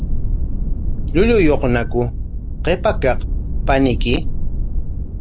¿Llulluyuqñaku qipa kaq paniyki?